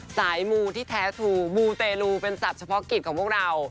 สายมูที่แท้ถูกมูเตรลูเป็นศัพท์เฉพาะกิจของพวกเรา